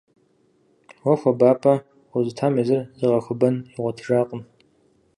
Уэ хуабапӀэ къозытам езыр зыгъэхуэбэн игъуэтыжакъым.